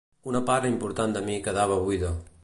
Una part important de mi quedava buida.